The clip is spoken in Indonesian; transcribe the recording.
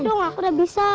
pas dong aku udah bisa